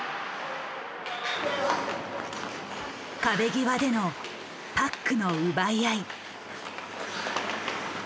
壁際でのパックの奪い合い。